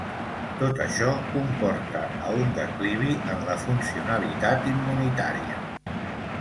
Tot això, comporta a un declivi en la funcionalitat immunitària.